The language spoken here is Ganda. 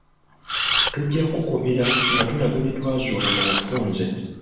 Tujja kukubira nga tulaga bye twazuula mu bufunze.